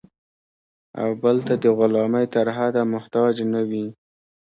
او بل ته د غلامۍ تر حده محتاج نه وي.